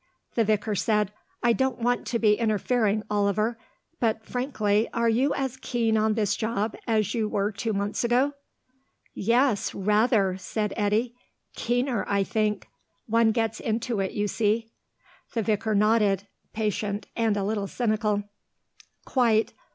The vicar said, "I don't want to be interfering, Oliver. But, frankly, are you as keen on this job as you were two months ago?" "Yes, rather," said Eddy. "Keener, I think. One gets into it, you see." The vicar nodded, patient and a little cynical. "Quite.